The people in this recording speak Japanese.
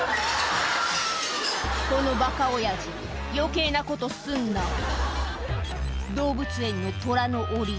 このバカオヤジ余計なことすんな動物園のトラのおり